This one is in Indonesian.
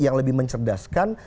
yang lebih mencerdaskan